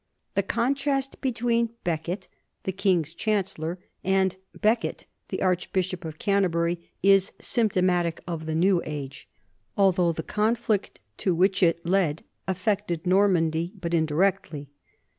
The contrast between Becket the king's chancellor and Becket the archbishop of Canterbury is symptomatic of the new age, although the conflict to which it led affected Normandy but indi rectly.